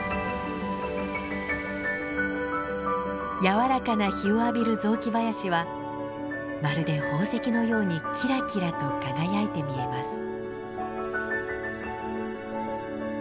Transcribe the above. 柔らかな日を浴びる雑木林はまるで宝石のようにキラキラと輝いて見えます。